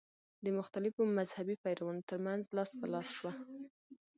د مختلفو مذهبي پیروانو تر منځ لاس په لاس شوه.